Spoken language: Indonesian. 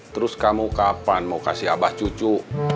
terus kamu kapan mau kasih abah cucu